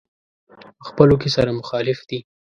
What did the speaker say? په خپلو کې سره مخالف دي.